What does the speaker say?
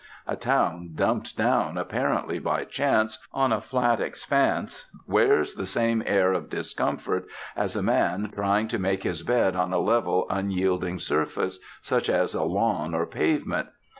A town dumped down, apparently by chance, on a flat expanse, wears the same air of discomfort as a man trying to make his bed on a level, unyielding surface such as a lawn or pavement.